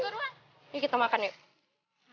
yuk kita makan yuk